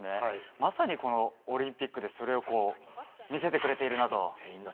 まさに、オリンピックでそれを見せてくれているなと。